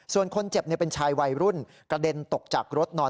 ส่วนคนเจ็บเป็นชายวัยรุ่นกระเด็นตกจากรถนอน